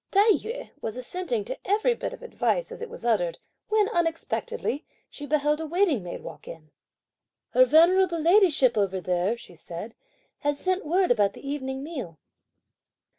Tai yü was assenting to every bit of advice as it was uttered, when unexpectedly she beheld a waiting maid walk in. "Her venerable ladyship over there," she said, "has sent word about the evening meal."